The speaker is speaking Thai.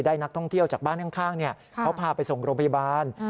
นักท่องเที่ยวจากบ้านข้างเขาพาไปส่งโรงพยาบาล